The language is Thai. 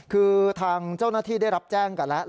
คือทางเจ้าหน้าที่ได้รับแจ้งกันแล้ว